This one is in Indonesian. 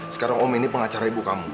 sekarang om ini pengacara ibu kamu